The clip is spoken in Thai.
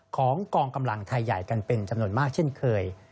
ของกองกำลังไทยใหญ่กันเป็นจำนวนมากเช่นเคย